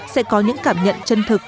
sẽ có những cảm nhận chân thực